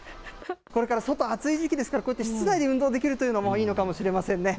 これから外暑い時期ですから、こうやって室内で運動できるというのも、いいのかもしれませんね。